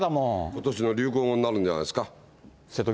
ことしの流行語になるんじゃないですか。